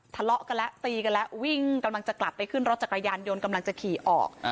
ทะเลาะกันแล้วตีกันแล้ววิ่งกำลังจะกลับไปขึ้นรถจักรยานยนต์กำลังจะขี่ออก